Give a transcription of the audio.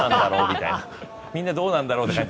みんなどうなんだろうみたいな。